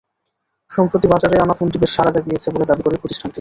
সম্প্রতি বাজারে আনা ফোনটি বেশ সাড়া জাগিয়েছে বলে দাবি করে প্রতিষ্ঠানটি।